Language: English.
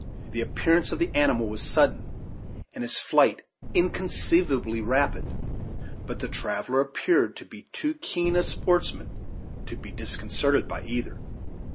The appearance of the animal was sudden, and his flight inconceivably rapid; but the traveller appeared to be too keen a sportsman to be disconcerted by either.